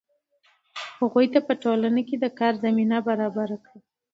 هغوی ته په ټولنه کې د کار زمینه برابره کړئ.